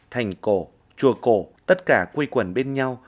thành cổ chùa cổ tất cả quây quần bên nhau